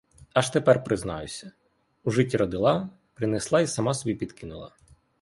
Аж тепер признаюся: у житі родила, принесла й сама собі підкинула.